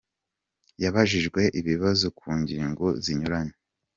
Com, yabajijwe ibibazo ku ngingo zinyuranye.